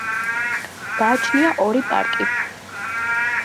გააჩნია ორი პარკი.